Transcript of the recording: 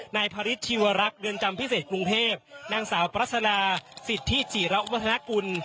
นายพระฤทธิวรักษ์เรือนจำพิเศษกรุงเทพนางสาวปรัศดาสิทธิจิระวัฒนากุล